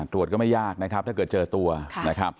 ก็ไม่ยากนะครับถ้าเกิดเจอตัวนะครับ